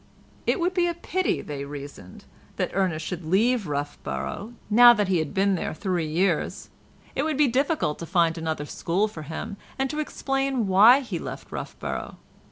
It would be a pity, they reasoned, that Ernest should leave Roughborough, now that he had been there three years; it would be difficult to find another school for him, and to explain why he had left Roughborough.